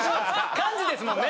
幹事ですもんね。